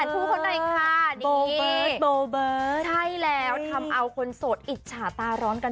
เอาดูแหวนคู่คนไหนค่ะ